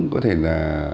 có thể là